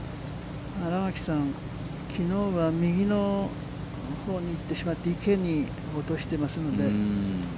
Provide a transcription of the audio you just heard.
新垣さん、きのうは右のほうに打ってしまって、池に落としていますので。